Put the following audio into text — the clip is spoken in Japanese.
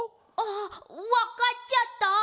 あっわかっちゃった？